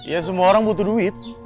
ya semua orang butuh duit